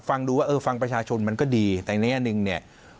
ฟังดูว่าเออฟังประชาชนมันก็ดีแต่ในแง่หนึ่งเนี่ย